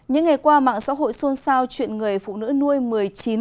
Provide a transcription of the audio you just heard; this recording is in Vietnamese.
những ngày qua mạng xã hội xôn xao chuyện người phụ nữ nuôi một mươi chín con trai